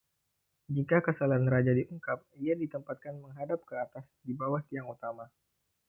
Jika kesalahan Raja diungkap, ia ditempatkan menghadap ke atas di bawah tiang utama.